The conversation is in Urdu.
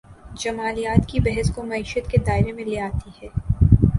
جمالیات کی بحث کو معیشت کے دائرے میں لے آتی ہے۔